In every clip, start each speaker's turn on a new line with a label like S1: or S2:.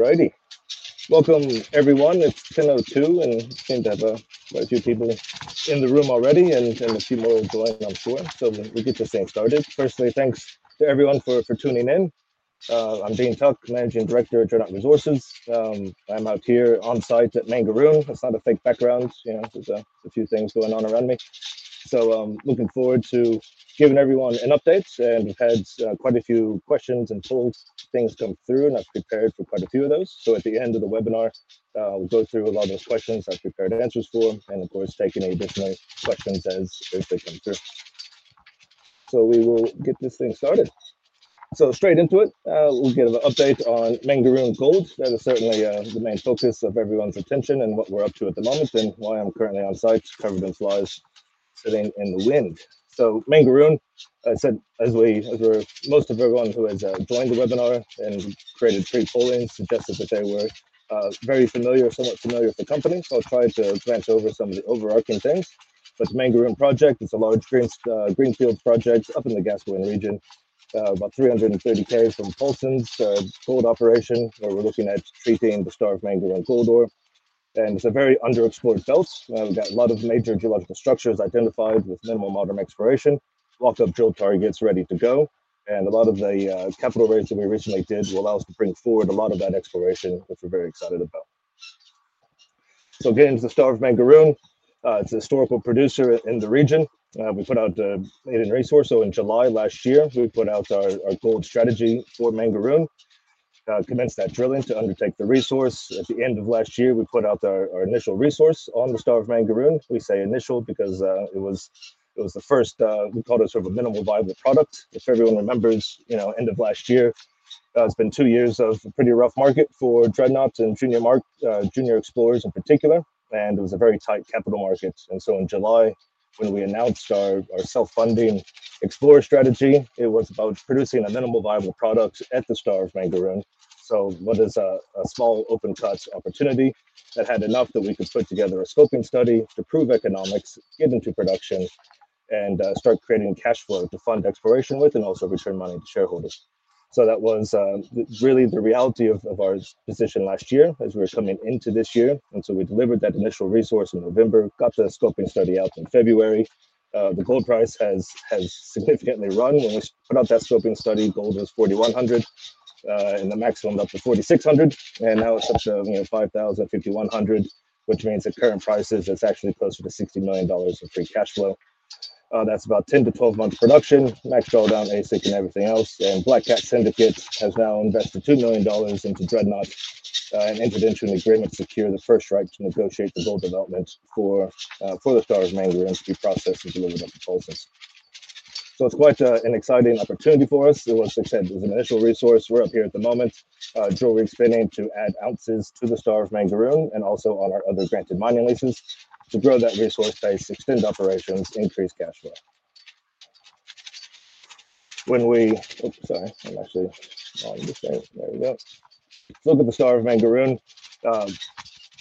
S1: Alrighty. Welcome, everyone. It's 10:02, and it seems like there are quite a few people in the room already, and a few more will join, I'm sure. We'll get this thing started. Firstly, thanks to everyone for tuning in. I'm Dean Tuck, Managing Director of Dreadnought Resources. I'm out here on site at Mangaroon. It's not a fake background, you know, there's a few things going on around me. I'm looking forward to giving everyone an update, and we've had quite a few questions and polls things come through, and I've prepared for quite a few of those. At the end of the webinar, we'll go through a lot of those questions I've prepared answers for, and of course, take any additional questions as they come through. We will get this thing started. Straight into it, we'll get an update on Mangaroon Gold. That is certainly the main focus of everyone's attention and what we're up to at the moment, and why I'm currently on site covered in flies sitting in the wind. Mangaroon, I said, as we as we're most of everyone who has joined the webinar and created pre-polling suggested that they were very familiar, somewhat familiar with the company. I'll try to glance over some of the overarching things. The Mangaroon project, it's a large greenfield project up in the Gascoyne region, about 330 km from Paulsens gold operation, where we're looking at treating the Star of Mangaroon corridor. It's a very underexplored belt. We've got a lot of major geological structures identified with minimal modern exploration, lock-up drill targets ready to go, and a lot of the capital raise that we recently did will allow us to bring forward a lot of that exploration, which we're very excited about. Getting to the Star of Mangaroon, it's a historical producer in the region. We put out a maiden resource. In July last year, we put out our gold strategy for Mangaroon, commenced that drilling to undertake the resource. At the end of last year, we put out our initial resource on the Star of Mangaroon. We say initial because it was the first, we called it sort of a minimal viable product. If everyone remembers, you know, end of last year, it's been two years of a pretty rough market for Dreadnought and junior explorers in particular, and it was a very tight capital market. In July, when we announced our self-funding explorer strategy, it was about producing a minimal viable product at the Star of Mangaroon. What is a small open-cut opportunity that had enough that we could put together a scoping study to prove economics, get into production, and start creating cash flow to fund exploration with and also return money to shareholders. That was really the reality of our position last year as we were coming into this year. We delivered that initial resource in November, got the scoping study out in February. The gold price has significantly run. When we put out that scoping study, gold was $4,100 and the maximum up to $4,600, and now it's up to $5,000, $5,100, which means at current prices, it's actually closer to $60 million in free cash flow. That's about 10-12 months of production, max drawdown, AISIC, and everything else. Black Cat Syndicate has now invested $2 million into Dreadnought and entered into an agreement to secure the first right to negotiate the gold development for the Star of Mangaroon to be processed and delivered to Paulsens. It is quite an exciting opportunity for us. It was, like I said, it was an initial resource. We're up here at the moment, drill re-expanding to add ounces to the Star of Mangaroon and also on our other granted mining leases to grow that resource base, extend operations, increase cash flow. When we—oops, sorry, I'm actually on the same. There we go. Look at the Star of Mangaroon.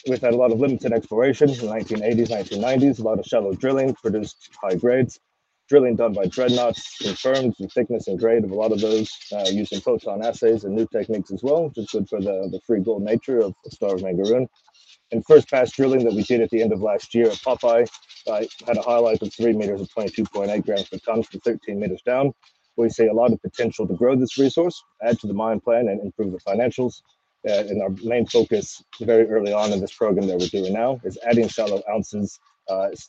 S1: We've had a lot of limited exploration in the 1980s, 1990s, a lot of shallow drilling produced high grades. Drilling done by Dreadnought confirmed the thickness and grade of a lot of those using photon assays and new techniques as well, which is good for the free gold nature of the Star of Mangaroon. First pass drilling that we did at the end of last year at Popeye had a highlight of 3 meters of 22.8 grams per ton from 13 meters down. We see a lot of potential to grow this resource, add to the mine plan, and improve the financials. Our main focus very early on in this program that we're doing now is adding shallow ounces,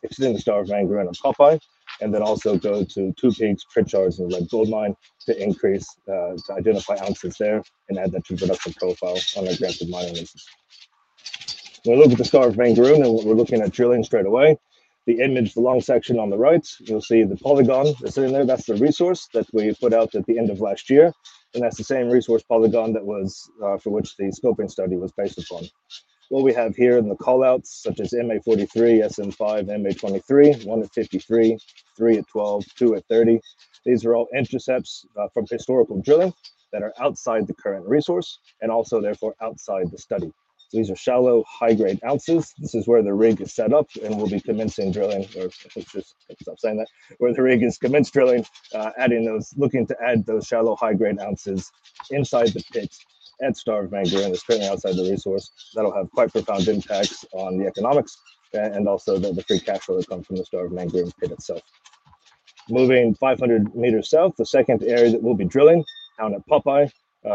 S1: extending the Star of Mangaroon on Popeye, and then also go to Two Peaks, Pritchards, and Red Gold Mine to increase, to identify ounces there and add that to the production profile on our granted mining leases. When we look at the Star of Mangaroon and what we're looking at drilling straight away, the image, the long section on the right, you'll see the polygon that's sitting there. That's the resource that we put out at the end of last year. That's the same resource polygon that was for which the scoping study was based upon. What we have here in the callouts, such as MA43, SM5, MA23, 1 at 53, 3 at 12, 2 at 30, these are all intercepts from historical drilling that are outside the current resource and also therefore outside the study. These are shallow high-grade ounces. This is where the rig is set up, and we'll be commencing drilling, or I think it's just stop saying that, where the rig has commenced drilling, adding those, looking to add those shallow high-grade ounces inside the pit at Star of Mangaroon that's currently outside the resource. That'll have quite profound impacts on the economics and also the free cash flow that comes from the Star of Mangaroon pit itself. Moving 500 meters south, the second area that we'll be drilling down at Popeye,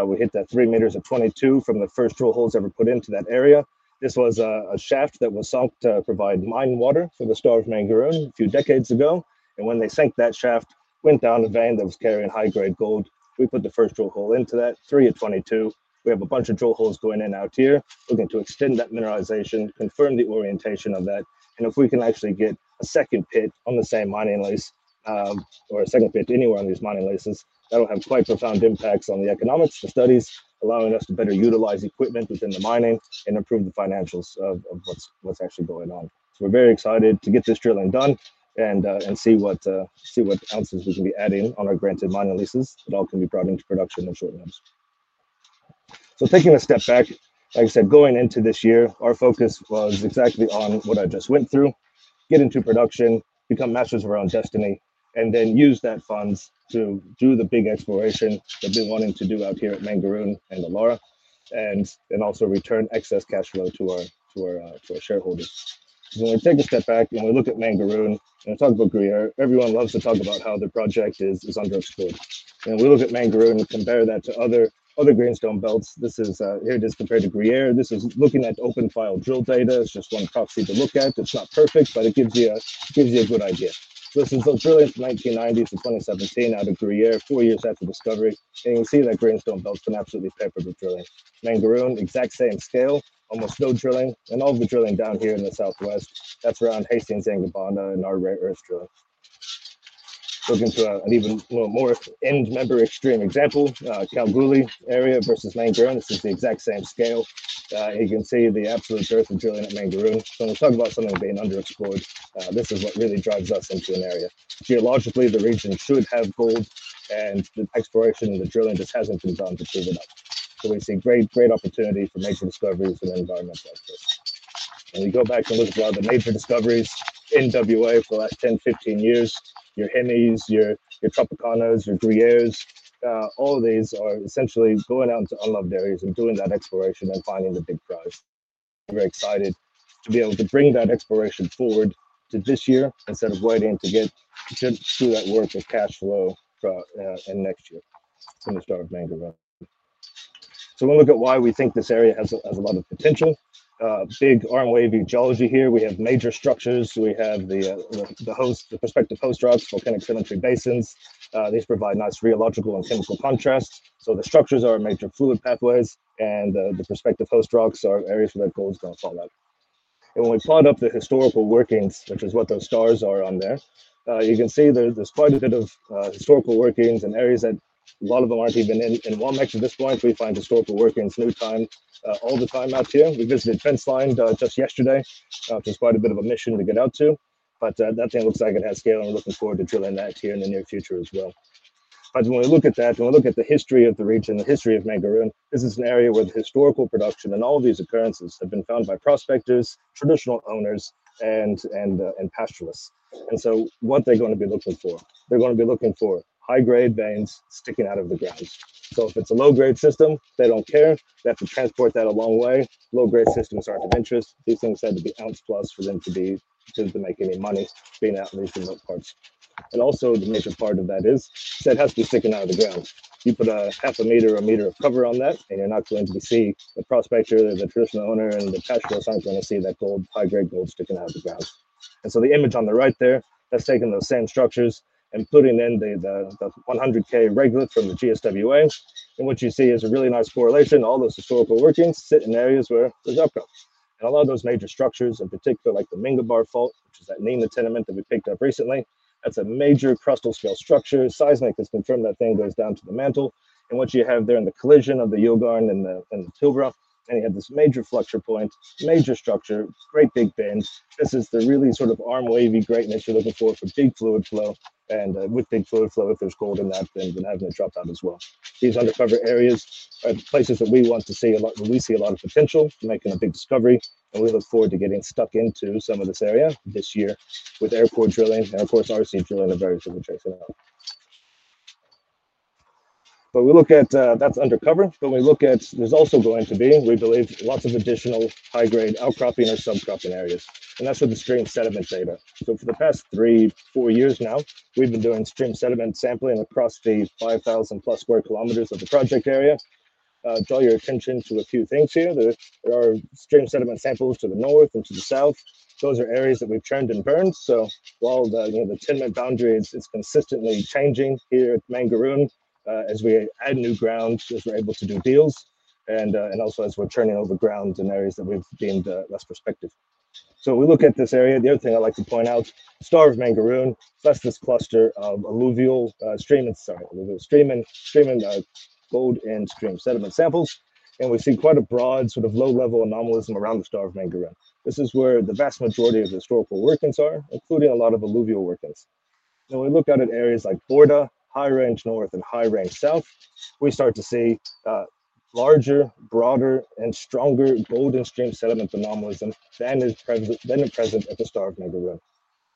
S1: we hit that three meters of 22 from the first drill holes ever put into that area. This was a shaft that was sunk to provide mine water for the Star of Mangaroon a few decades ago. When they sank that shaft, went down a vein that was carrying high-grade gold. We put the first drill hole into that, three at 22. We have a bunch of drill holes going in out here, looking to extend that mineralization, confirm the orientation of that. If we can actually get a second pit on the same mining lease, or a second pit anywhere on these mining leases, that will have quite profound impacts on the economics, the studies, allowing us to better utilize equipment within the mining and improve the financials of what is actually going on. We are very excited to get this drilling done and see what ounces we can be adding on our granted mining leases that all can be brought into production in short notice. Taking a step back, like I said, going into this year, our focus was exactly on what I just went through, get into production, become masters of our own destiny, and then use that funds to do the big exploration that we're wanting to do out here at Mangaroon and Elara, and then also return excess cash flow to our shareholders. When we take a step back and we look at Mangaroon, and I talk about Gruyère, everyone loves to talk about how the project is under explored. We look at Mangaroon and compare that to other greenstone belts. This is, here it is compared to Gruyère. This is looking at open file drill data. It's just one proxy to look at. It's not perfect, but it gives you a good idea. This is drilling from 1990 to 2017 out of Gruyère, four years after discovery. You can see that greenstone belts have been absolutely peppered with drilling. Mangaroon, exact same scale, almost no drilling, and all the drilling down here in the southwest, that's around Haitian Zangibanda and our rare earth drilling. Looking to an even more end member extreme example, Kalgoorlie area versus Mangaroon, this is the exact same scale. You can see the absolute dearth of drilling at Mangaroon. When we talk about something being underexplored, this is what really drives us into an area. Geologically, the region should have gold, and the exploration and the drilling just has not been done to prove it up. We see great, great opportunity for major discoveries in an environment like this. When we go back and look at a lot of the major discoveries in WA for the last 10, 15 years, your Hemies, your Tropicanas, your Gruyères, all of these are essentially going out into unloved areas and doing that exploration and finding the big prize. We're excited to be able to bring that exploration forward to this year instead of waiting to get to that work of cash flow in next year from the Star of Mangaroon. We'll look at why we think this area has a lot of potential. Big arm wavy geology here. We have major structures. We have the prospective host rocks, volcanic symmetry basins. These provide nice rheological and chemical contrast. The structures are major fluid pathways, and the prospective host rocks are areas where that gold's going to fall out. When we plot up the historical workings, which is what those stars are on there, you can see there's quite a bit of historical workings and areas that a lot of them aren't even in WAMEX at this point. We find historical workings new time all the time out here. We visited Fence Line just yesterday, which is quite a bit of a mission to get out to. That thing looks like it has scale, and we're looking forward to drilling that here in the near future as well. When we look at that, when we look at the history of the region, the history of Mangaroon, this is an area where the historical production and all these occurrences have been found by prospectors, traditional owners, and pastoralists. What they're going to be looking for, they're going to be looking for high-grade veins sticking out of the ground. If it's a low-grade system, they don't care. They have to transport that a long way. Low-grade systems aren't of interest. These things had to be ounce plus for them to make any money being out in these remote parts. The major part of that is that it has to be sticking out of the ground. You put a half a meter, a meter of cover on that, and you're not going to see the prospector, the traditional owner, and the pastoralist aren't going to see that gold, high-grade gold sticking out of the ground. The image on the right there, that's taking those same structures and putting in the 100K reglet from the GSWA. What you see is a really nice correlation. All those historical workings sit in areas where there's outcomes. A lot of those major structures, in particular, like the Mingabar Fault, which is that Nima tenement that we picked up recently, that's a major crustal scale structure. Seismic has confirmed that thing goes down to the mantle. What you have there in the collision of the Yilgarn and the Pilbara, you have this major flexure point, major structure, great big bend. This is the really sort of arm wavy greatness you're looking for for big fluid flow. With big fluid flow, if there's gold in that, then having it dropped out as well. These undercover areas are places that we want to see a lot, where we see a lot of potential for making a big discovery. We look forward to getting stuck into some of this area this year with aircore drilling and, of course, RC drilling in various different tracing out. We look at that as undercover. We look at there is also going to be, we believe, lots of additional high-grade outcropping or subcropping areas. That is with the stream sediment data. For the past three, four years now, we have been doing stream sediment sampling across the 5,000 plus square kilometers of the project area. Draw your attention to a few things here. There are stream sediment samples to the north and to the south. Those are areas that we have turned and burned. While the tenement boundary is consistently changing here at Mangaroon, as we add new ground, as we are able to do deals, and also as we are turning over ground in areas that we have deemed less prospective. We look at this area. The other thing I'd like to point out, the Star of Mangaroon, that's this cluster of alluvial stream and, sorry, alluvial stream and gold and stream sediment samples. We see quite a broad sort of low-level anomalism around the Star of Mangaroon. This is where the vast majority of the historical workings are, including a lot of alluvial workings. When we look at it in areas like Borda, High Range North and High Range South, we start to see larger, broader, and stronger gold and stream sediment anomalism than present at the Star of Mangaroon.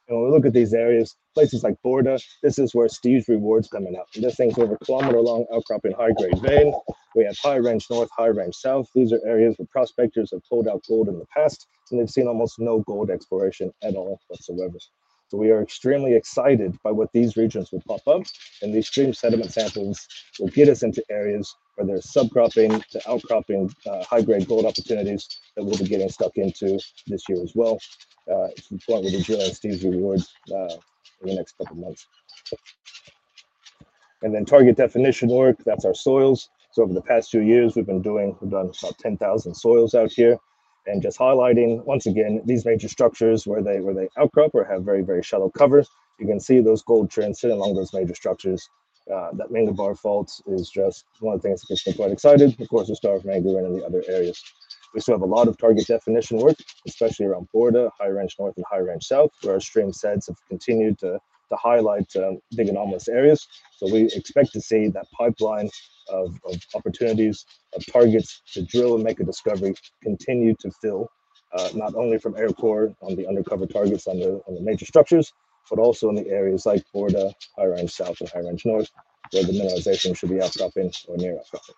S1: When we look at these areas, places like Borda, this is where Steve's Reward's coming out. This thing's over a kilometer long outcropping high-grade vein. We have High Range North, High Range South. These are areas where prospectors have pulled out gold in the past, and they've seen almost no gold exploration at all whatsoever. We are extremely excited by what these regions will pop up, and these stream sediment samples will get us into areas where there's subcropping to outcropping high-grade gold opportunities that we'll be getting stuck into this year as well. It's important we'll be drilling Steve's rewards in the next couple of months. Target definition work, that's our soils. Over the past few years, we've been doing, we've done about 10,000 soils out here. Just highlighting, once again, these major structures where they outcrop or have very, very shallow cover. You can see those gold trends sitting along those major structures. That Mingabar Fault is just one of the things that gets me quite excited, of course, the Star of Mangaroon and the other areas. We still have a lot of target definition work, especially around Borda, High Range North and High Range South, where our stream sets have continued to highlight big anomalous areas. We expect to see that pipeline of opportunities, of targets to drill and make a discovery continue to fill, not only from aircore on the undercover targets on the major structures, but also in the areas like Borda, High Range South and High Range North, where the mineralization should be outcropping or near outcropping.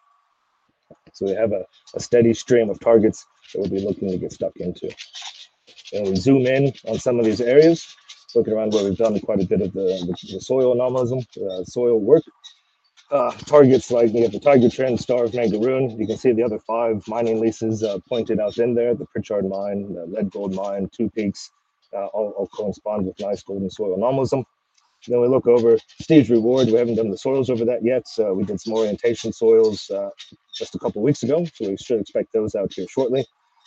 S1: We have a steady stream of targets that we'll be looking to get stuck into. We'll zoom in on some of these areas, looking around where we've done quite a bit of the soil anomalism, soil work. Targets like we have the Tiger Trend, Star of Mangaroon. You can see the other five mining leases pointed out in there, the Pritchard Mine, the Red Gold Mine, Two Peaks, all correspond with nice gold-in-soil anomalism. We look over Steve's Reward. We have not done the soils over that yet. We did some orientation soils just a couple of weeks ago. We should expect those out here shortly.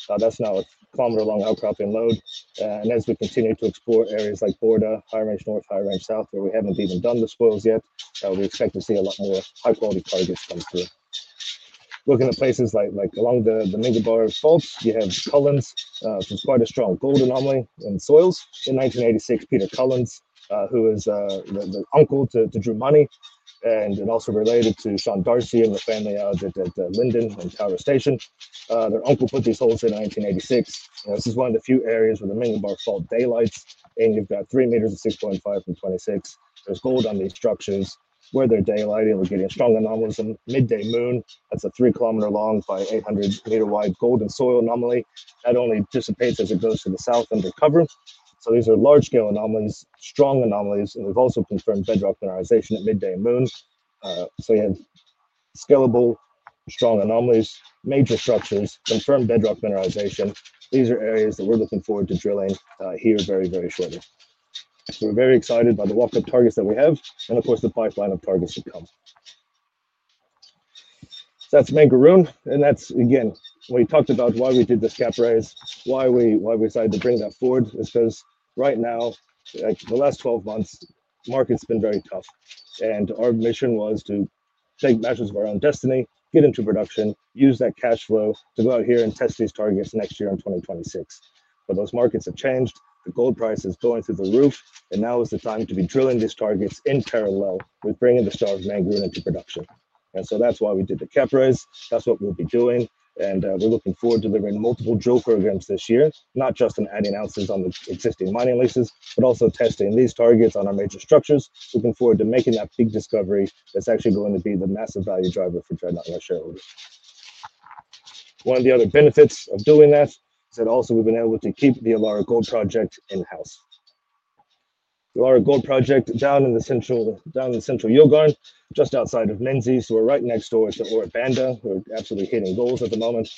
S1: That is now a kilometer-long outcropping lode. As we continue to explore areas like Borda, High Range North, High Range South, where we have not even done the soils yet, we expect to see a lot more high-quality targets come through. Looking at places like along the Mingabar Fault, you have Cullens, some quite a strong gold anomaly in soils. In 1986, Peter Cullens, who is the uncle to Drew Money, and is also related to Sean Darcy and the family out at Linden and Tower Station. Their uncle put these holes in 1986. This is one of the few areas where the Mingabar Fault daylights, and you've got three meters of 6.5 and 26. There's gold on these structures where they're daylighting. We're getting a strong anomalism, midday moon. That's a 3 kilometer long by 800 meter wide gold in soil anomaly. That only dissipates as it goes to the south undercover. These are large scale anomalies, strong anomalies. We've also confirmed bedrock mineralization at midday moon. We have scalable, strong anomalies, major structures, confirmed bedrock mineralization. These are areas that we're looking forward to drilling here very, very shortly. We are very excited by the walkup targets that we have, and of course, the pipeline of targets to come. That is Mangaroon. Again, we talked about why we did the cap raise, why we decided to bring that forward, because right now, the last 12 months, market's been very tough. Our mission was to take measures of our own destiny, get into production, use that cash flow to go out here and test these targets next year in 2026. Those markets have changed. The gold price is going through the roof. Now is the time to be drilling these targets in parallel with bringing the Star of Mangaroon into production. That is why we did the cap raise. That is what we will be doing. We are looking forward to delivering multiple drill programs this year, not just in adding ounces on the existing mining leases, but also testing these targets on our major structures. Looking forward to making that big discovery that is actually going to be the massive value driver for Dreadnought and our shareholders. One of the other benefits of doing that is that also we have been able to keep the Elara Gold Project in-house. The Elara Gold Project down in the central Yilgarn, just outside of Menzies. We are right next door to Ora Banda. We are absolutely hitting goals at the moment.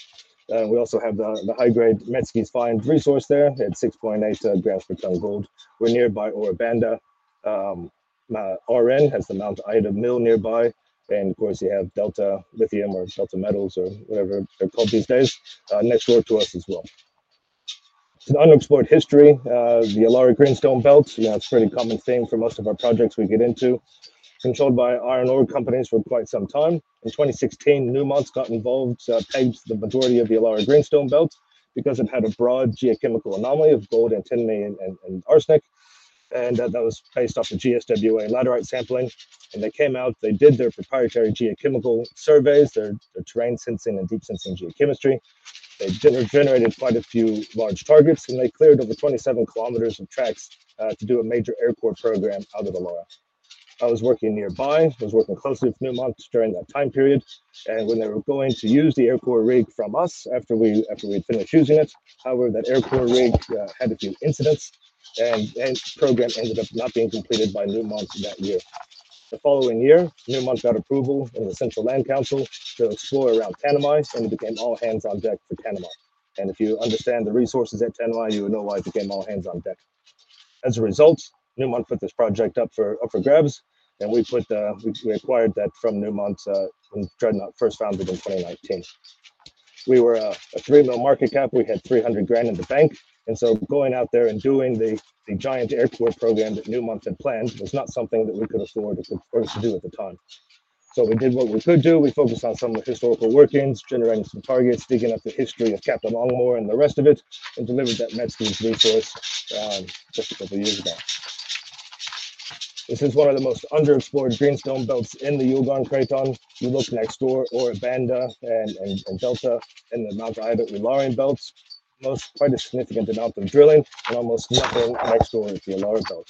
S1: We also have the high-grade Metzke's Find resource there at 6.8 grams per ton gold. We are nearby Ora Banda. Aurenne has the Mount Ida Mill nearby. And of course, you have Delta Lithium or Delta Metals or whatever they are called these days next door to us as well. To the unexplored history, the Elara Greenstone Belt, that's a pretty common theme for most of our projects we get into, controlled by iron ore companies for quite some time. In 2016, Newmont got involved, pegged the majority of the Elara Greenstone Belt because it had a broad geochemical anomaly of gold and tin and arsenic. That was based off of GSWA laterite sampling. They came out, they did their proprietary geochemical surveys, their terrain sensing and deep sensing geochemistry. They generated quite a few large targets, and they cleared over 27 km of tracks to do a major aircore program out of Elara. I was working nearby. I was working closely with Newmont during that time period. When they were going to use the airport rig from us after we had finished using it, however, that airport rig had a few incidents, and the program ended up not being completed by Newmont that year. The following year, Newmont got approval in the Central Land Council to explore around Tanami, and it became all hands on deck for Tanami. If you understand the resources at Tanami, you would know why it became all hands on deck. As a result, Newmont put this project up for grabs, and we acquired that from Newmont when Dreadnought first founded in 2019. We were a $3 million market cap. We had $300,000 in the bank. Going out there and doing the giant airport program that Newmont had planned was not something that we could afford to do at the time. We did what we could do. We focused on some of the historical workings, generating some targets, digging up the history of Captain Longmoor and the rest of it, and delivered that Metzky's resource just a couple of years ago. This is one of the most underexplored greenstone belts in the Yilgarn Craton. You look next door, Ora Banda and Delta in the Mount Ida and Illaara belts, most quite a significant amount of drilling and almost nothing next door at the Elara Belt.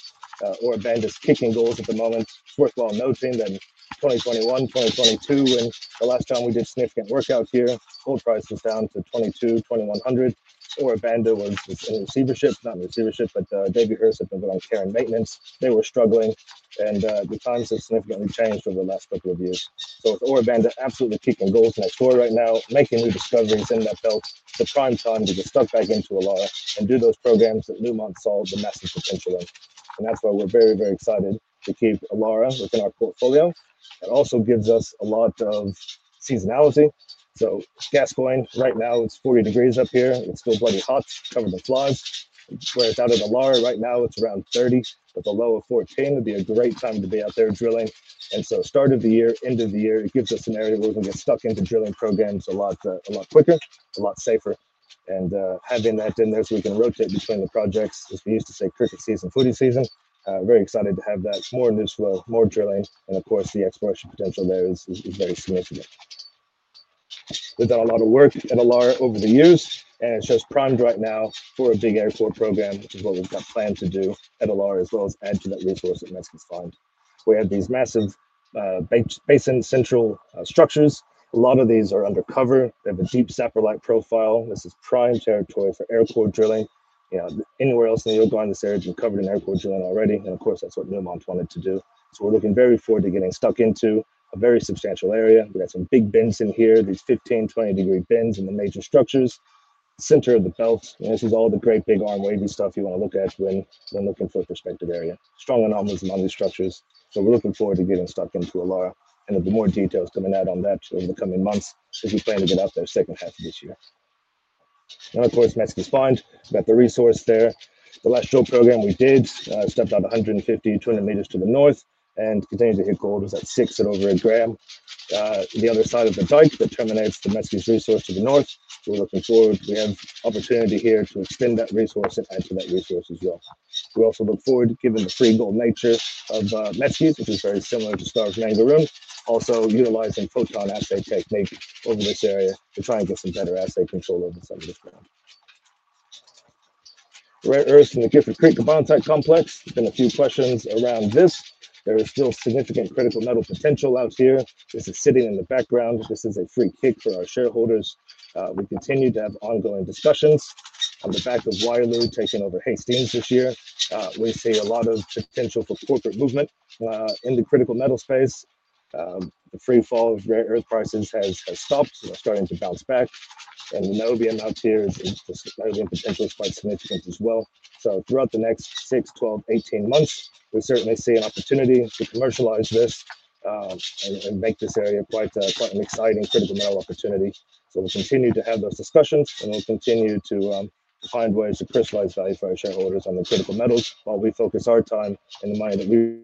S1: Ora Banda's kicking goals at the moment. It's worthwhile noting that in 2021, 2022, when the last time we did significant work out here, gold price was down to $2,200-$2,100. Ora Banda was in receivership, not in receivership, but Davyhurst had been going to care and maintenance. They were struggling, and the times have significantly changed over the last couple of years. Ora Banda Mining absolutely kicking goals next door right now, making new discoveries in that belt, the prime time to get stuck back into Elara and do those programs that Newmont saw the massive potential in. That is why we are very, very excited to keep Elara within our portfolio. It also gives us a lot of seasonality. Gascoyne, right now, it is 40 degrees up here. It is still bloody hot, covered in flies. Whereas out in Elara right now, it is around 30, but the low of 14 would be a great time to be out there drilling. Start of the year, end of the year, it gives us an area where we can get stuck into drilling programs a lot quicker, a lot safer. Having that in there so we can rotate between the projects, as we used to say, cricket season and footy season. Very excited to have that. More new flow, more drilling, and of course, the exploration potential there is very significant. We've done a lot of work at Elara over the years, and it's just primed right now for a big aircore program, which is what we've got planned to do at Elara, as well as add to that resource at Metzky's Find. We have these massive basin central structures. A lot of these are undercover. They have a deep saprolite profile. This is prime territory for aircore drilling. Anywhere else in the Yilgarn this area has been covered in aircore drilling already. Of course, that's what Newmont wanted to do. We are looking very forward to getting stuck into a very substantial area. We got some big bends in here, these 15-20 degree bends in the major structures, center of the belt. This is all the great big arm wavy stuff you want to look at when looking for a prospective area. Strong anomalies among these structures. We are looking forward to getting stuck into Elara. There will be more details coming out on that over the coming months as we plan to get out there second half of this year. Of course, Metzky's Find, we have the resource there. The last drill program we did stepped out 150-200 meters to the north and continued to hit gold. It was at six at over a gram. The other side of the dike that terminates the Metzky's resource to the north. We are looking forward. We have opportunity here to extend that resource and add to that resource as well. We also look forward, given the free gold nature of Metzky's, which is very similar to Star of Mangaroon, also utilizing photon assay technique over this area to try and get some better assay control over some of this ground. Rare earths in the Gifford Creek Combined Site Complex. There's been a few questions around this. There is still significant critical metal potential out here. This is sitting in the background. This is a free kick for our shareholders. We continue to have ongoing discussions. On the back of Wyloo taking over Hastings this year, we see a lot of potential for corporate movement in the critical metal space. The free fall of rare earth prices has stopped. We're starting to bounce back. And the novium out here is just potentially quite significant as well. Throughout the next 6, 12, 18 months, we certainly see an opportunity to commercialize this and make this area quite an exciting critical metal opportunity. We will continue to have those discussions, and we will continue to find ways to personalize value for our shareholders on the critical metals while we focus our time in the mine that we.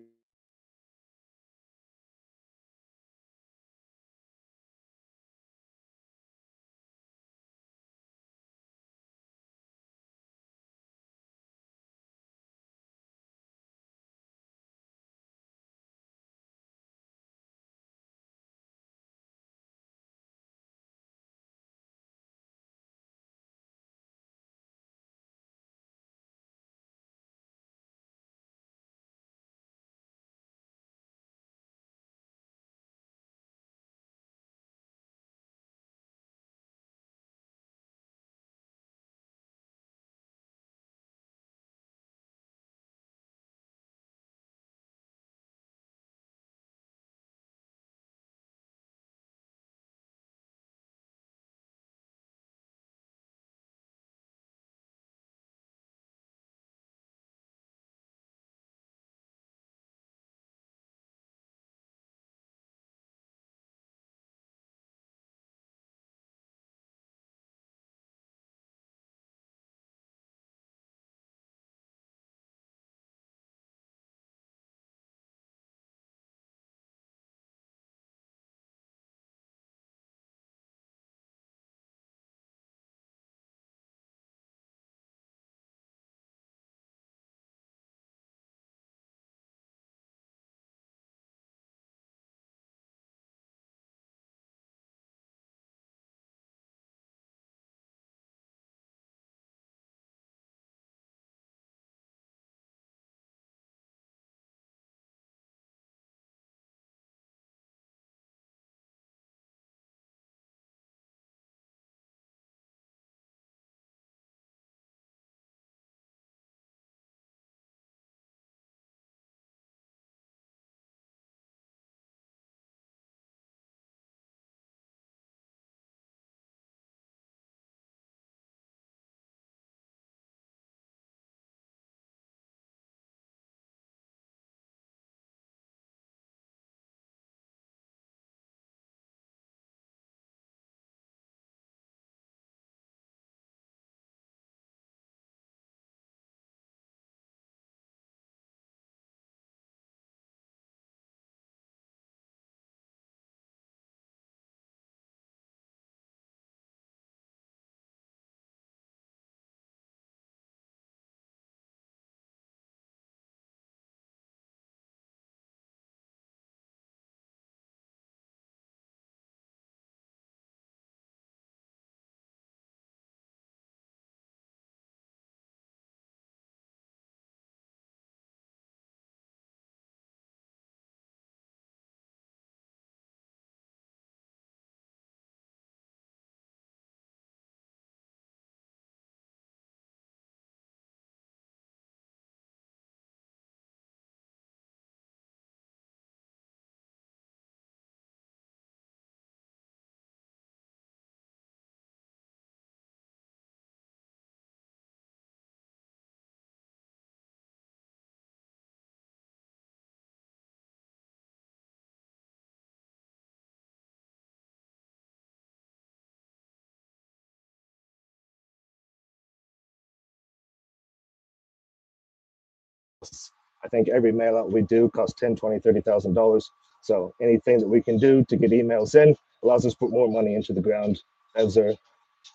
S1: I think every mail-out we do costs $10,000, $20,000, $30,000. Anything that we can do to get emails in allows us to put more money into the ground. Every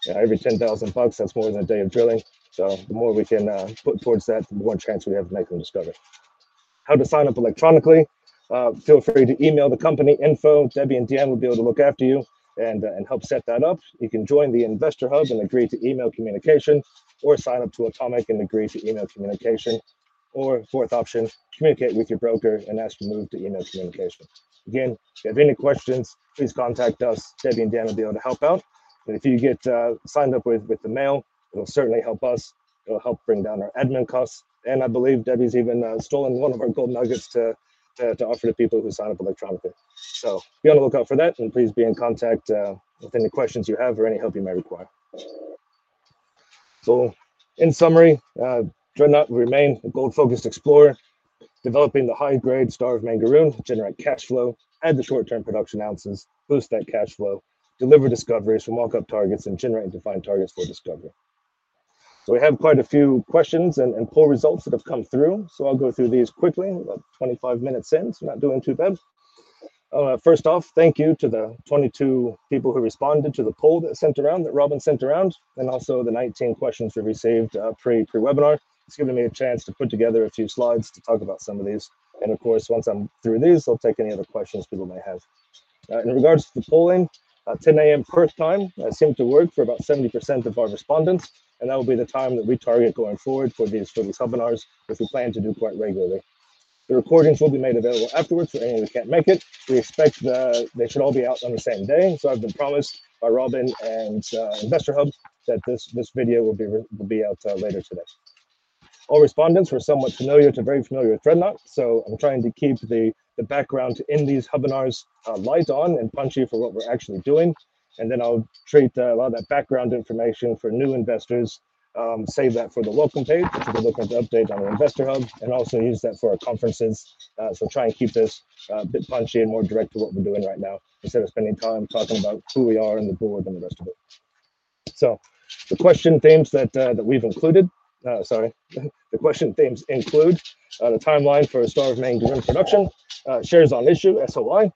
S1: $10,000, that is more than a day of drilling. The more we can put towards that, the more chance we have to make them discover. How to sign up electronically? Feel free to email the company info. Debbie and Dan will be able to look after you and help set that up. You can join the investor hub and agree to email communication, or sign up to Atomic and agree to email communication, or fourth option, communicate with your broker and ask to move to email communication. If you have any questions, please contact us. Debbie and Dan will be able to help out. If you get signed up with the mail, it will certainly help us. It will help bring down our admin costs. I believe Debbie's even stolen one of our gold nuggets to offer to people who sign up electronically. Be on the lookout for that, and please be in contact with any questions you have or any help you may require. In summary, Dreadnought remain a gold-focused explorer, developing the high-grade Star of Mangaroon, generate cash flow, add the short-term production ounces, boost that cash flow, deliver discoveries from walk-up targets, and generate and define targets for discovery. We have quite a few questions and poll results that have come through. I'll go through these quickly, about 25 minutes in, so we're not doing too bad. First off, thank you to the 22 people who responded to the poll that Robin sent around, and also the 19 questions we received pre-webinar. It's given me a chance to put together a few slides to talk about some of these. Of course, once I'm through these, I'll take any other questions people may have. In regards to the polling, 10:00 A.M. per time seemed to work for about 70% of our respondents. That will be the time that we target going forward for these webinars if we plan to do quite regularly. The recordings will be made available afterwards for anyone who can't make it. We expect they should all be out on the same day. I have been promised by Robin and Investor Hub that this video will be out later today. All respondents were somewhat familiar to very familiar with Dreadnought. I am trying to keep the background in these webinars light on and punchy for what we're actually doing. I will treat a lot of that background information for new investors, save that for the welcome page to look at the update on our Investor Hub, and also use that for our conferences. Try and keep this a bit punchy and more direct to what we're doing right now instead of spending time talking about who we are and the board and the rest of it. The question themes that we've included, sorry, the question themes include the timeline for Star of Mangaroon production, shares on issue, SOI,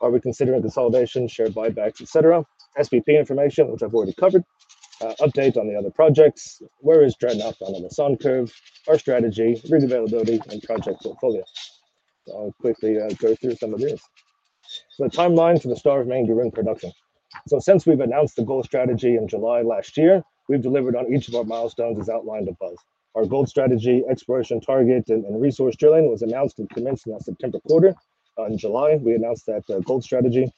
S1: are we considering consolidation, share buybacks, et cetera, SPP information, which I've already covered, update on the other projects, where is Dreadnought on the sun curve, our strategy, read availability, and project portfolio. I'll quickly go through some of these. The timeline for the Star of Mangaroon production. Since we've announced the gold strategy in July last year, we've delivered on each of our milestones as outlined above. Our gold strategy, exploration target, and resource drilling was announced and commenced in our September quarter. In July, we announced that gold strategy.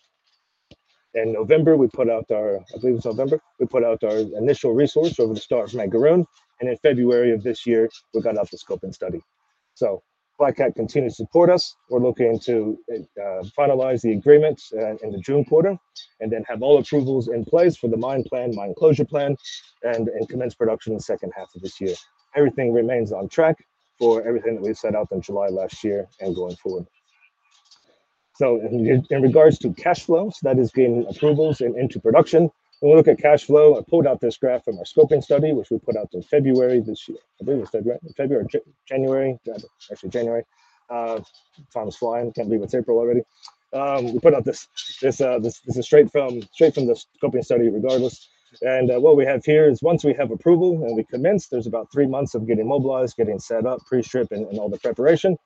S1: In November, we put out our, I believe it was November, we put out our initial resource over the Star of Mangaroon. In February of this year, we got out the scoping study. Black Cat continues to support us. We're looking to finalize the agreements in the June quarter and then have all approvals in place for the mine plan, mine closure plan, and commence production in the second half of this year. Everything remains on track for everything that we set out in July last year and going forward. In regards to cash flows, that is getting approvals and into production. When we look at cash flow, I pulled out this graph from our scoping study, which we put out in February this year. I believe it was February, February, January, actually January. Farm's flying, can't believe it's April already. We put out this straight from the scoping study regardless. What we have here is once we have approval and we commence, there's about three months of getting mobilized, getting set up, pre-strip, and all the preparation.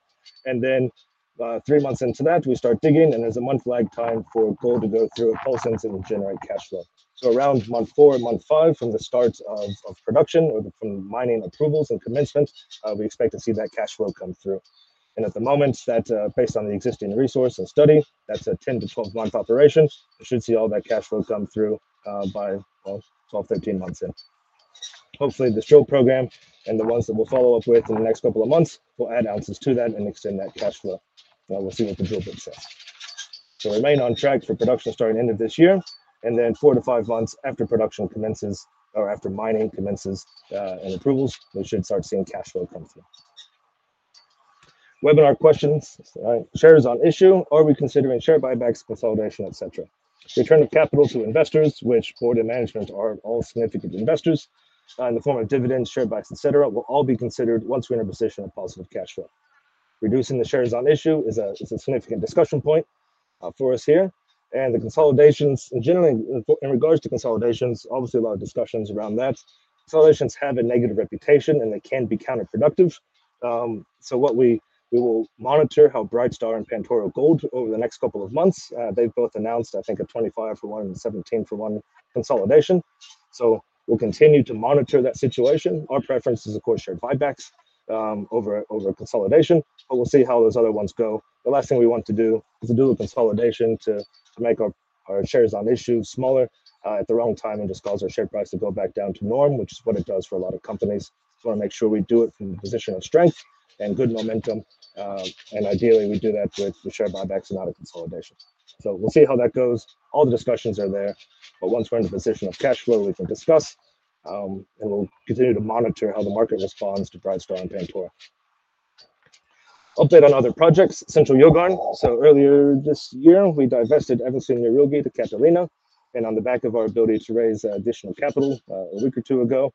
S1: Three months into that, we start digging, and there's a month lag time for gold to go through a pulse and to generate cash flow. Around month four and month five from the start of production or from mining approvals and commencement, we expect to see that cash flow come through. At the moment, based on the existing resource and study, that's a 10-12 month operation. We should see all that cash flow come through by 12, 13 months in. Hopefully, the drill program and the ones that we'll follow up with in the next couple of months will add ounces to that and extend that cash flow. We'll see what the drill bit says. Remain on track for production starting end of this year. Four to five months after production commences or after mining commences and approvals, we should start seeing cash flow come through. Webinar questions, shares on issue, are we considering share buybacks, consolidation, et cetera? Return of capital to investors, which board and management are all significant investors in the form of dividends, share buys, et cetera, will all be considered once we're in a position of positive cash flow. Reducing the shares on issue is a significant discussion point for us here. The consolidations, generally in regards to consolidations, obviously a lot of discussions around that. Consolidations have a negative reputation and they can be counterproductive. What we will monitor, how Brightstar and Pantoro Gold over the next couple of months, they have both announced, I think, a 25-for-1 and a 17-for-1 consolidation. We will continue to monitor that situation. Our preference is, of course, share buybacks over consolidation, but we will see how those other ones go. The last thing we want to do is to do a consolidation to make our shares on issue smaller at the wrong time and just cause our share price to go back down to norm, which is what it does for a lot of companies. We want to make sure we do it from the position of strength and good momentum. Ideally, we do that with the share buybacks and not a consolidation. We will see how that goes. All the discussions are there. Once we're in the position of cash flow, we can discuss. We'll continue to monitor how the market responds to Brightstar and Pantoro. Update on other projects, Central Yilgarn. Earlier this year, we divested Evanston Yerilgee to Catalina. On the back of our ability to raise additional capital a week or two ago,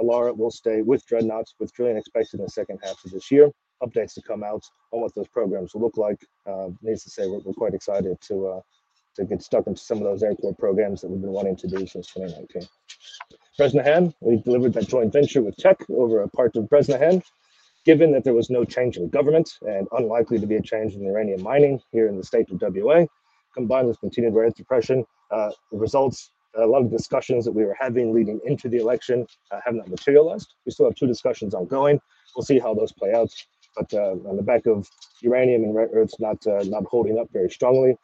S1: Elara will stay with Dreadnought with drilling expected in the second half of this year. Updates to come out on what those programs will look like. Need to say we're quite excited to get stuck into some of those aircore programs that we've been wanting to do since 2019. Bresnahan, we delivered that joint venture with Teck over a part of Bresnahan. Given that there was no change in government and unlikely to be a change in uranium mining here in the state of WA, combined with continued rare earth depression, the results, a lot of discussions that we were having leading into the election have not materialized. We still have two discussions ongoing. We'll see how those play out. On the back of uranium and rare earth not holding up very strongly,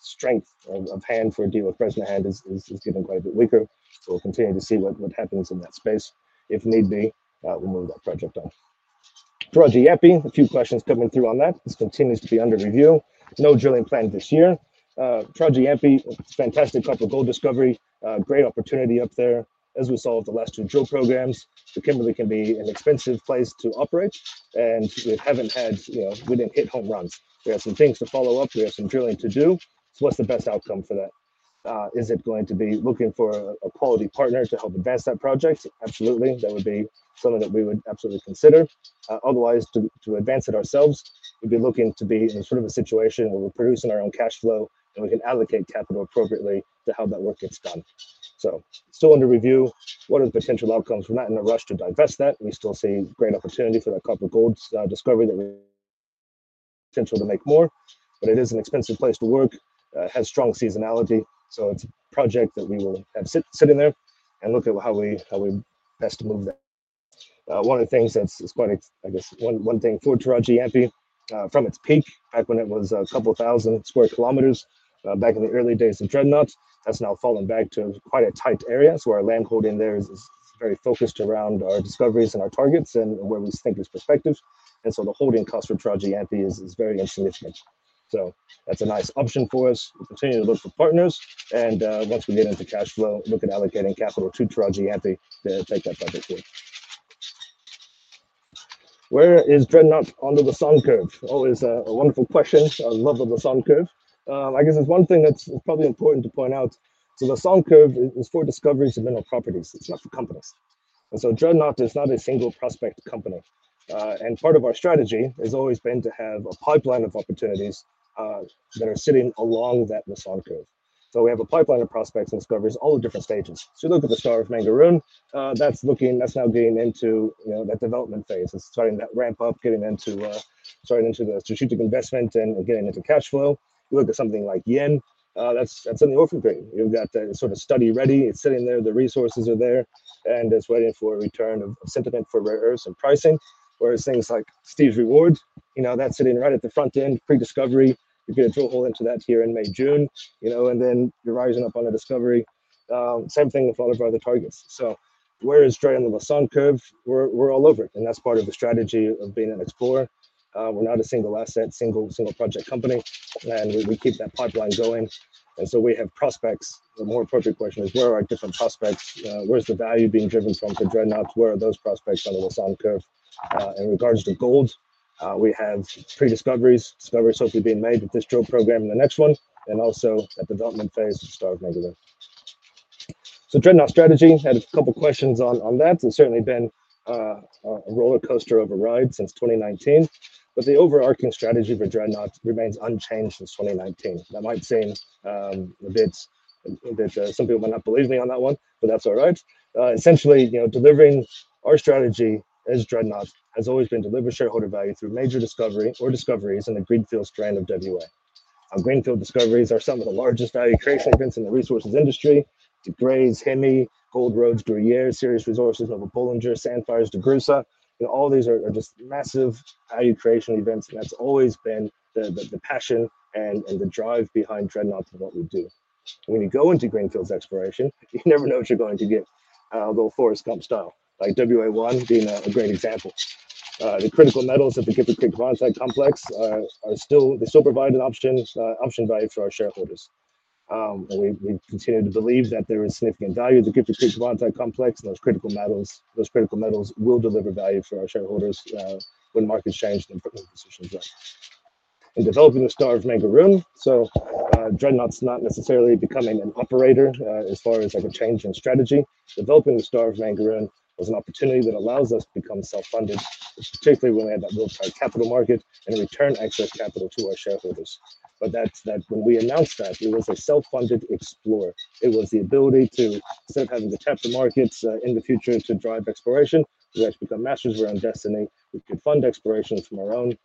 S1: strength of hand for a deal with Bresnahan is getting quite a bit weaker. We'll continue to see what happens in that space. If need be, we'll move that project on. Project Yampi, a few questions coming through on that. This continues to be under review. No drilling planned this year. Project Yampi, fantastic couple of gold discovery, great opportunity up there as we saw with the last two drill programs. The Kimberley can be an expensive place to operate, and we haven't had, we didn't hit home runs. We have some things to follow up. We have some drilling to do. What's the best outcome for that? Is it going to be looking for a quality partner to help advance that project? Absolutely. That would be something that we would absolutely consider. Otherwise, to advance it ourselves, we'd be looking to be in sort of a situation where we're producing our own cash flow and we can allocate capital appropriately to how that work gets done. Still under review. What are the potential outcomes? We're not in a rush to divest that. We still see great opportunity for that couple of gold discovery that we have potential to make more. It is an expensive place to work, has strong seasonality. It's a project that we will have sitting there and look at how we best move that. One of the things that's quite, I guess, one thing for Taraji-Yampi from its peak back when it was a couple thousand square kilometers back in the early days of Dreadnought, that's now fallen back to quite a tight area. Our land holding there is very focused around our discoveries and our targets and where we think is prospective. The holding cost for Taraji-Yampi is very insignificant. That's a nice option for us. We'll continue to look for partners. Once we get into cash flow, look at allocating capital to Taraji-Yampi to take that project through. Where is Dreadnought on the Lassonde curve? Always a wonderful question. I love the Lassonde curve. I guess there's one thing that's probably important to point out. Lassonde Curve is for discoveries and mineral properties. It's not for companies. Dreadnought is not a single prospect company. Part of our strategy has always been to have a pipeline of opportunities that are sitting along that Lassonde Curve. We have a pipeline of prospects and discoveries all at different stages. You look at the Star of Mangaroon, that's looking, that's now getting into that development phase. It's starting that ramp up, getting into the strategic investment and getting into cash flow. You look at something like Yen, that's in the orphan thing. You've got that sort of study ready. It's sitting there. The resources are there. It's waiting for a return of sentiment for rare earths and pricing. Whereas things like Steve's Reward, that's sitting right at the front end, pre-discovery. You're going to drill hole into that here in May, June. You are rising up on a discovery. Same thing with all of our other targets. Where is Dreadnought on the Lassonde curve? We are all over it. That is part of the strategy of being an explorer. We are not a single asset, single project company. We keep that pipeline going. We have prospects. The more appropriate question is, where are our different prospects? Where is the value being driven from for Dreadnought? Where are those prospects on the Lassonde curve? In regards to gold, we have pre-discoveries, discoveries hopefully being made with this drill program and the next one, and also that development phase of Star of Mangaroon. Dreadnought strategy, I had a couple of questions on that. It has certainly been a roller coaster of a ride since 2019. The overarching strategy for Dreadnought remains unchanged since 2019. That might seem a bit that some people might not believe me on that one, but that's all right. Essentially, delivering our strategy as Dreadnought has always been to deliver shareholder value through major discovery or discoveries in the Greenfield strain of WA. Greenfield discoveries are some of the largest value creation events in the resources industry. De Grey, Hemi, Gold Road, Gruyère, Sirius Resources, Nova Bollinger, Sandfire's DeGrussa. All these are just massive value creation events. That's always been the passion and the drive behind Dreadnought and what we do. When you go into Greenfield's exploration, you never know what you're going to get, although Forrest Gump style, like WA1 being a great example. The critical metals of the Gifford Creek Bronze Age Complex are still, they still provide an option value for our shareholders. We continue to believe that there is significant value in the Gifford Creek Bronze Age Complex. Those critical metals, those critical metals will deliver value for our shareholders when markets change and important decisions are. In developing the Star of Mangaroon, Dreadnought's not necessarily becoming an operator as far as like a change in strategy. Developing the Star of Mangaroon was an opportunity that allows us to become self-funded, particularly when we have that willpower capital market and return access capital to our shareholders. That is that when we announced that, it was a self-funded explorer. It was the ability to, instead of having to tap the markets in the future to drive exploration, we actually become masters of our own destiny. We could fund exploration from our own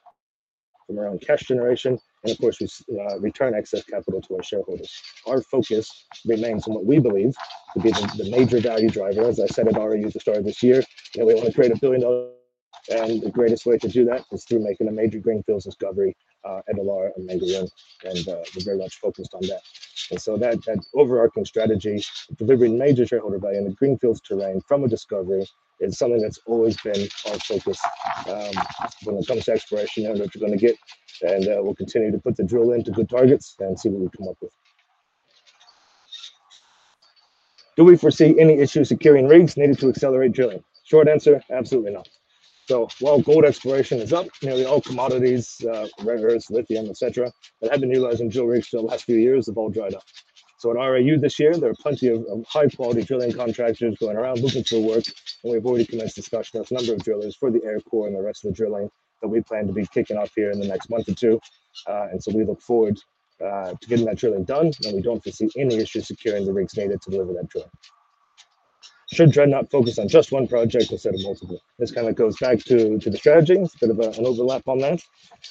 S1: cash generation. Of course, we return access capital to our shareholders. Our focus remains on what we believe to be the major value driver. As I said, I'd already used the story this year. We want to create a billion dollars. The greatest way to do that is through making a major Greenfield discovery at Elara and Mangaroon. We are very much focused on that. That overarching strategy, delivering major shareholder value in the Greenfield terrain from a discovery, is something that's always been our focus when it comes to exploration and what you're going to get. We will continue to put the drill into good targets and see what we come up with. Do we foresee any issues securing rigs needed to accelerate drilling? Short answer, absolutely not. While gold exploration is up, nearly all commodities, rare earths, lithium, et cetera, that have been utilized in drill rigs for the last few years have all dried up. At RAU this year, there are plenty of high-quality drilling contractors going around looking for work. We have already commenced discussions with a number of drillers for the air core and the rest of the drilling that we plan to be kicking off here in the next month or two. We look forward to getting that drilling done. We do not foresee any issues securing the rigs needed to deliver that drilling. Should Dreadnought focus on just one project or a set of multiple? This kind of goes back to the strategy. It is a bit of an overlap on that.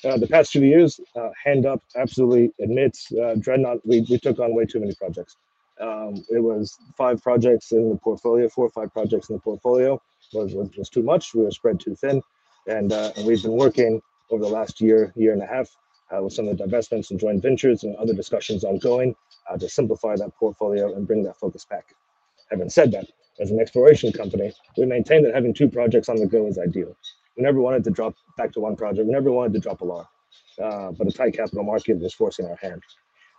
S1: The past few years, hand up, absolutely admits Dreadnought, we took on way too many projects. It was five projects in the portfolio, four or five projects in the portfolio. It was too much. We were spread too thin. We have been working over the last year, year and a half with some of the divestments and joint ventures and other discussions ongoing to simplify that portfolio and bring that focus back. Having said that, as an exploration company, we maintain that having two projects on the go is ideal. We never wanted to drop back to one project. We never wanted to drop Alara. A tight capital market was forcing our hand.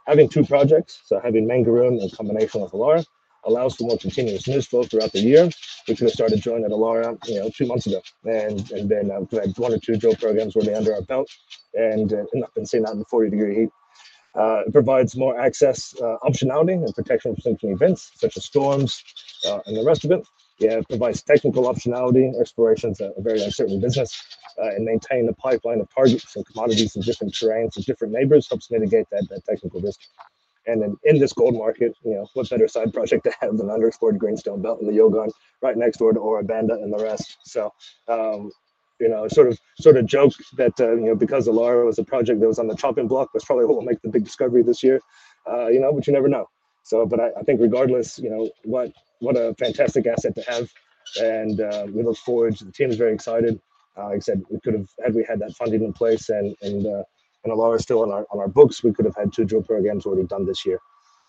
S1: Having two projects, so having Mangaroon in combination with Alara, allows for more continuous news flow throughout the year. We could have started drilling at Alara two months ago and been through one or two drill programs already under our belt. I have been seeing that in the 40-degree heat. It provides more access, optionality and protection from certain events such as storms and the rest of it. It provides technical optionality. Exploration is a very uncertain business. Maintaining the pipeline of targets and commodities in different terrains and different neighbors helps mitigate that technical risk. In this gold market, what better side project to have than underexplored Greenstone Belt in the Yilgarn right next door to Ora Banda and the rest? I sort of joke that because Elara was a project that was on the chopping block, it was probably what will make the big discovery this year, but you never know. I think regardless, what a fantastic asset to have. We look forward to it. The team is very excited. Like I said, we could have, had we had that funding in place and Elara is still on our books, we could have had two drill programs already done this year.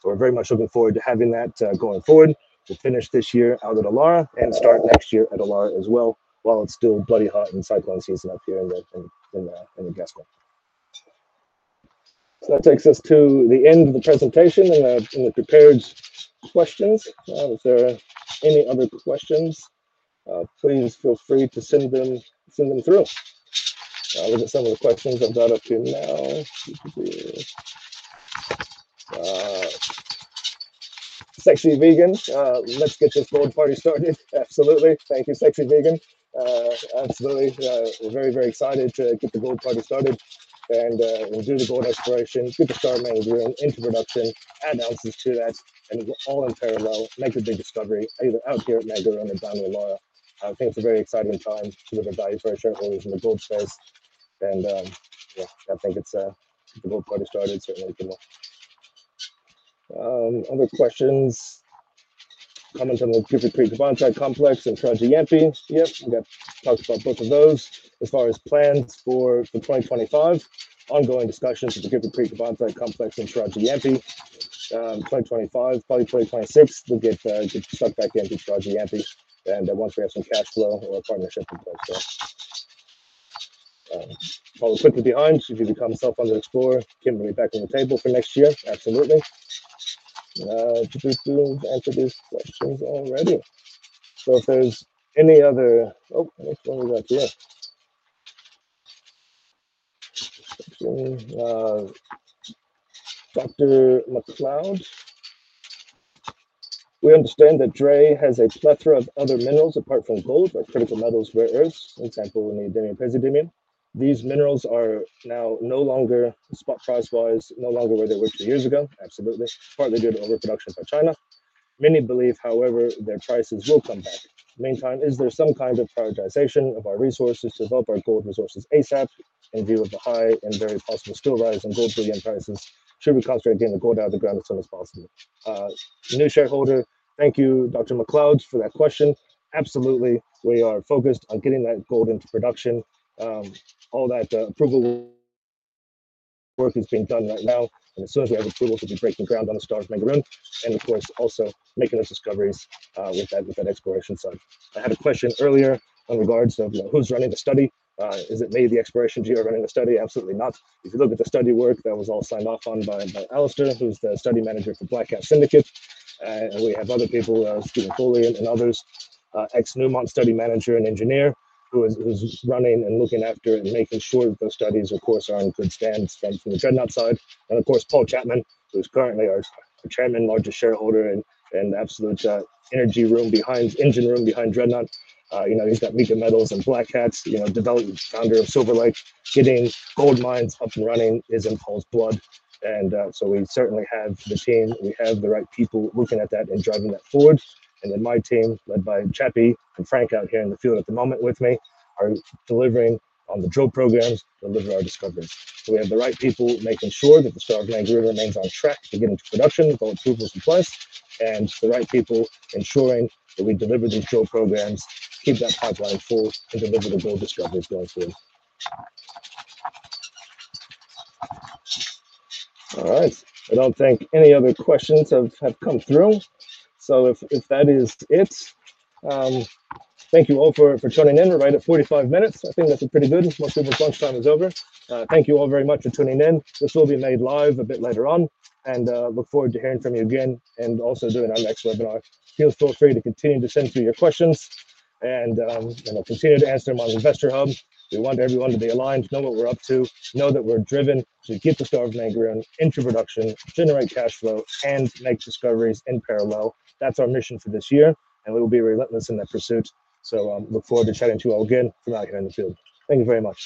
S1: We are very much looking forward to having that going forward. We will finish this year out at Elara and start next year at Elara as well while it is still bloody hot and cyclone season up here in the Gascoyne. That takes us to the end of the presentation and the prepared questions. If there are any other questions, please feel free to send them through. Looking at some of the questions I have up here now. Sexy vegan, let's get this gold party started. Absolutely. Thank you, sexy vegan. Absolutely. We're very, very excited to get the gold party started and do the gold exploration, get the Star of Mangaroon into production, add ounces to that, and it's all in parallel. Make the big discovery either out here at Mangaroon or down in Elara. I think it's a very exciting time to deliver value for our shareholders in the gold space. Yeah, I think it's the gold party started. Certainly can work. Other questions? Comment on the Gippet Creek Bronze Age Complex and Taraji-Yampi. Yep, we got talks about both of those. As far as plans for 2025, ongoing discussions with the Gippet Creek Bronze Age Complex and Taraji-Yampi. 2025, probably 2026, we'll get stuck back into Taraji-Yampi. Once we have some cash flow or a partnership in place. Follow quickly behind. If you become self-funded explorer, Kimberley back on the table for next year. Absolutely. Do we answer these questions already? If there is any other, oh, which one have we got here? Dr. McLeod, we understand that DRE has a plethora of other minerals apart from gold, like critical metals, rare earths, for example, in neodymium and prezidimium. These minerals are now no longer, spot price-wise, no longer where they were two years ago. Absolutely. Partly due to overproduction by China. Many believe, however, their prices will come back. Meantime, is there some kind of prioritization of our resources to develop our gold resources ASAP in view of the high and very possible spill rise in gold bullion prices? Should we concentrate on getting the gold out of the ground as soon as possible? New shareholder, thank you, Dr. McLeod, for that question. Absolutely. We are focused on getting that gold into production. All that approval work is being done right now. As soon as we have approval, we'll be breaking ground on the Star of Mangaroon. Of course, also making those discoveries with that exploration side. I had a question earlier in regards to who's running the study. Is it me, the exploration geo, running the study? Absolutely not. If you look at the study work, that was all signed off on by Alistair, who's the study manager for Black Cat Syndicate. We have other people, Stephen Foley and others, ex-Newmont study manager and engineer, who's running and looking after and making sure that those studies, of course, are in good stands from the Dreadnought side. Of course, Paul Chapman, who's currently our Chairman, largest shareholder and absolute engine room behind Dreadnought. He's got Meeka Metals and Black Cat, founder of Silver Lake. Getting gold mines up and running is in Paul's blood. We certainly have the team. We have the right people looking at that and driving that forward. My team, led by Chappi and Frank out here in the field at the moment with me, are delivering on the drill programs, delivering our discoveries. We have the right people making sure that the Star of Mangaroon remains on track to get into production with all approvals in place. The right people are ensuring that we deliver these drill programs, keep that pipeline full, and deliver the gold discoveries going forward. All right. I do not think any other questions have come through. If that is it, thank you all for tuning in. We are right at 45 minutes. I think that is a pretty good, most people's lunchtime is over. Thank you all very much for tuning in. This will be made live a bit later on. I look forward to hearing from you again and also doing our next webinar. Feel free to continue to send through your questions. I'll continue to answer them on Investor Hub. We want everyone to be aligned, know what we're up to, know that we're driven to get the Star of Mangaroon into production, generate cash flow, and make discoveries in parallel. That's our mission for this year. We will be relentless in that pursuit. I look forward to chatting to you all again from out here in the field. Thank you very much.